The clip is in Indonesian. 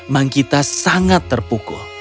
mangkita sangat terpukul